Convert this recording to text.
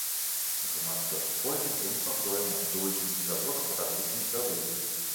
Грамадская супольнасць занепакоена, што выкіды з завода падарвуць ім здароўе.